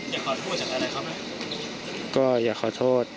อยากขอโทษจากใดอะไรครับ